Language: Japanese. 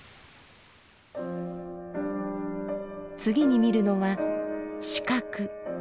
次に見るのは「思覚」。